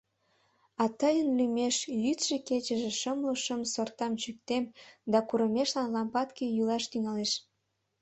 А тыйын лӱмеш йӱдшӧ-кечыже шымлу шым сортам чӱктем да курымешлан лампадке йӱлаш тӱҥалеш.